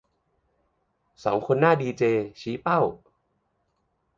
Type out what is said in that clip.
สองคนหน้าดีเจ ชี้เป้า